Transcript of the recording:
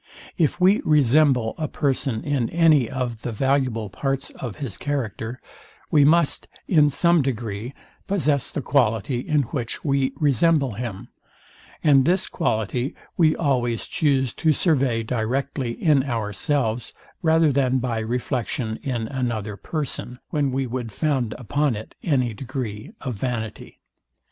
If we resemble a person in any of the valuable parts of his character, we must, in some degree, possess the quality, in which we resemble him; and this quality we always chuse to survey directly in ourselves rather than by reflexion in another person, when we would found upon it any degree of vanity.